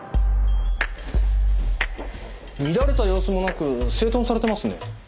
乱れた様子もなく整頓されてますね。